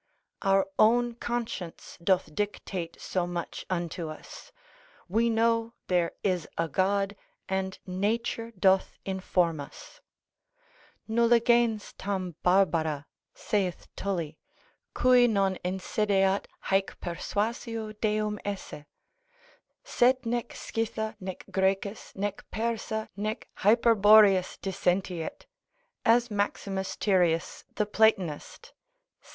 ——— Our own conscience doth dictate so much unto us, we know there is a God and nature doth inform us; Nulla gens tam barbara (saith Tully) cui non insideat haec persuasio Deum esse; sed nec Scytha, nec Groecus, nec Persa, nec Hyperboreus dissentiet (as Maximus Tyrius the Platonist ser.